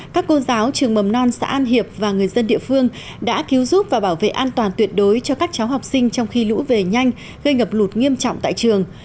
các cô giáo trường mầm non xã an hiệp và người dân địa phương đã cứu giúp và bảo vệ an toàn tuyệt đối cho các cháu học sinh trong khi lũ về nhanh gây ngập lụt nghiêm trọng tại trường